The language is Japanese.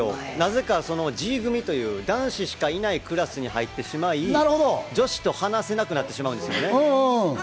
なぜかＧ組という男子しかいないクラスに入ってしまい、女子と話せなくなってしまうんですよね。